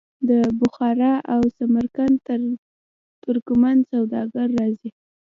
د بخارا او سمرقند ترکمن سوداګر راځي.